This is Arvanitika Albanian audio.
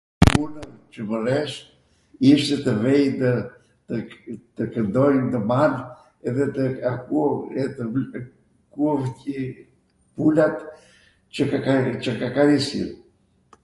punw qw vwlles ishte tw vej tw kwndonj nw man edhe tw ακούω qw pulat qw kakari... qw kakarisjwn.